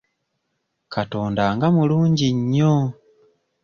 Katonda nga mulungi nnyo!